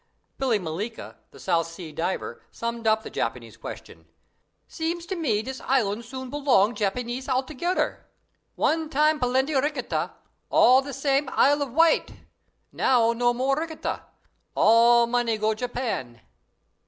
Billy Malkeela, the South Sea diver, summed up the Japanese question "Seems to me dis Islan' soon b'long Japanee altogedder. One time pa lenty rickatta (plenty regatta), all same Isle of Wight. Now no more rickatta. All money go Japan!"